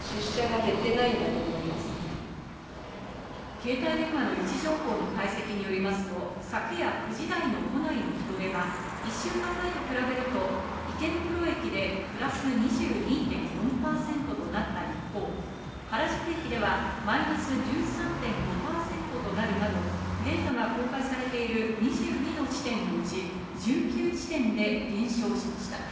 携帯電話の位置情報の解析によりますと、昨夜９時台の都内の人出は１週間前と比べると、池袋駅でプラス２２．４％となった一方、原宿駅ではマイナス１３．５％となるなど、データが公開されている２２の地点のうち、１９地点で減少しました。